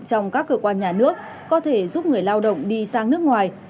trong các cơ quan nhà nước có thể giúp người lao động đi sang nước ngoài